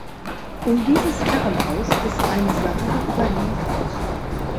Um dieses Herrenhaus ist eine Sage überliefert.